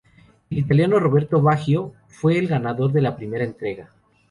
El Italiano Roberto Baggio fue el ganador de la primera entrega.